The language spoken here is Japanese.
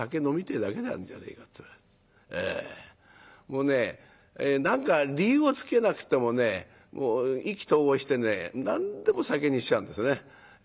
もうね何か理由をつけなくてもね意気投合してね何でも酒にしちゃうんですよね。